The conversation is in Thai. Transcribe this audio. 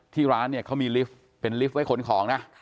ร้านเนี่ยเขามีลิฟต์เป็นลิฟต์ไว้ขนของนะ